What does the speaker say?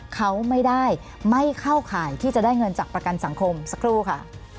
เขาไม่ได้ไม่เข้าข่ายที่จะได้เงินจากประกันสังคมสักครู่ค่ะ